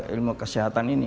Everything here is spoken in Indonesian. ilmu kesehatan ini